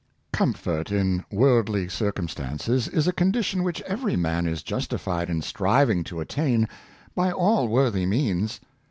Comfort in worldly circumstances is a condition which every man is justified in striving to attain by all worthy means.